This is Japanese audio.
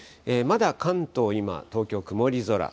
まだ関東、今、東京、曇り空。